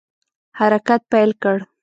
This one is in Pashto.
حرکت پیل کړ.